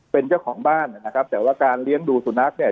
เป็นเจ้าของบ้านนะครับแต่ว่าการเลี้ยงดูสุนัขเนี่ย